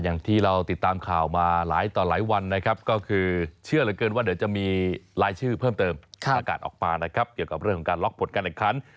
อย่างที่เราติดตามข่าวมาหลายต่อหลายวันนะครับก็คือเชื่อเหลือเกินว่าเดี๋ยวจะมีรายชื่อเพิ่มเติมประกาศออกมานะครับเกี่ยวกับเรื่องของการล็อกผลการแข่งขัน